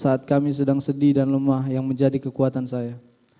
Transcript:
saat kami sedang sedih dan lemah yang menjadi kekuatan saya